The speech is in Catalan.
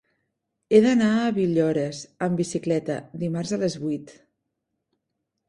He d'anar a Villores amb bicicleta dimarts a les vuit.